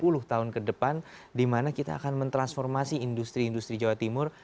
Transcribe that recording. sepuluh tahun ke depan dimana kita akan mentransformasi industri industri jawa timur